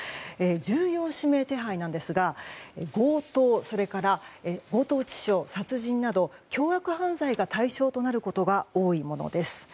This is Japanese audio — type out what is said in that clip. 重要指名手配なんですが強盗、それから強盗致傷、殺人など凶悪犯罪が対象となることが多いものです。